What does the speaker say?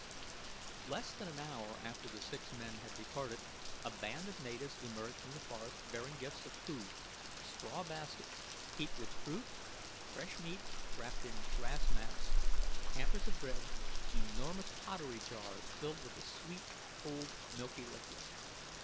Less than an hour after the six men had departed, a band of natives emerged from the forest bearing gifts of food straw baskets heaped with fruit, fresh meat wrapped in grass mats, hampers of bread, enormous pottery jars filled with a sweet, cold, milky liquid.